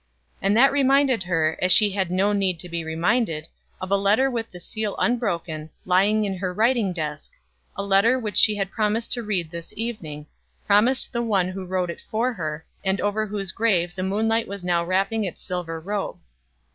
And that reminded her, as she had no need to be reminded, of a letter with the seal unbroken, lying in her writing desk a letter which she had promised to read this evening promised the one who wrote it for her, and over whose grave the moonlight was now wrapping its silver robe.